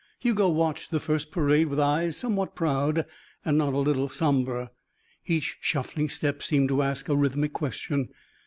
Hugo watched the first parade with eyes somewhat proud and not a little sombre. Each shuffling step seemed to ask a rhythmic question.